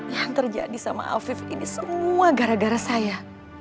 yang terjadi sama afif ini semua gara gara saya